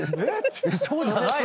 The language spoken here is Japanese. そうじゃないの？